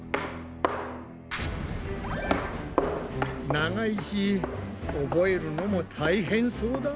長いし覚えるのも大変そうだ。